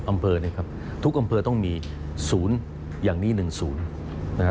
๘๘๒อำเภอทุกอำเภอต้องมีศูนย์อย่างนี้หนึ่งศูนย์